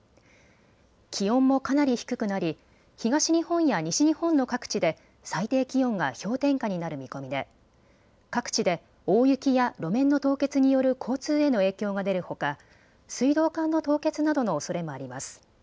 気温もかなり低くなり東日本や西日本の各地で最低気温が氷点下になる見込みで各地で大雪や路面の凍結による交通への影響が出るほか水道管の凍結などのおそれもあります。